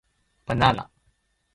Banana